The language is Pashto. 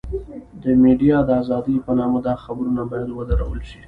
د ميډيا د ازادۍ په نامه دا خبرونه بايد ودرول شي.